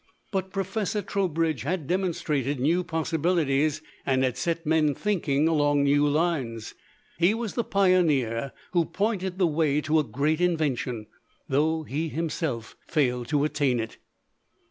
But Professor Trowbridge had demonstrated new possibilities, and had set men thinking along new lines. He was the pioneer who pointed the way to a great invention, though he himself failed to attain it.